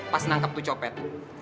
pas nangkep tuh copet